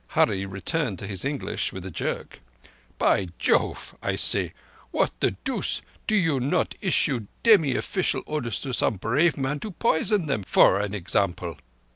'" Hurree returned to his English with a jerk: "'By Jove,' I said, 'why the dooce do you not issue demi offeecial orders to some brave man to poison them, for an example?